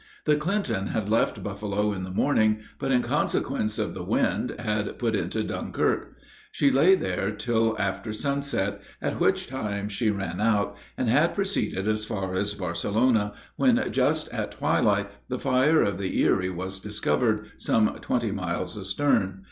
The Clinton had left Buffalo in the morning, but, in consequence of the wind, had put into Dunkirk. She lay there till near sunset, at which time she ran out, and had proceeded as far as Barcelona, when just at twilight the fire of the Erie was discovered, some twenty miles astern.